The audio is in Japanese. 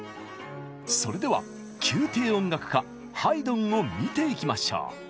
それでは宮廷音楽家ハイドンを見ていきましょう！